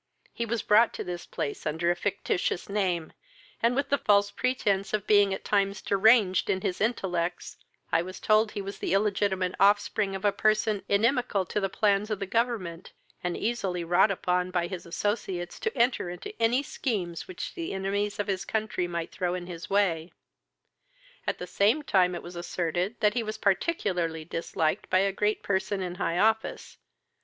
He was brought to this place under a fictitious name, and, with the false pretence of being at times deranged in his intellects, I was told he was the illegitimate offspring of a person inimical to the plans of government, and easily wrought upon by his associates to enter into any scheme which the enemies of his country might throw in his way; at the same time it was asserted that he was particularly disliked by a great person in high office.